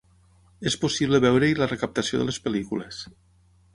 És possible veure-hi la recaptació de les pel·lícules.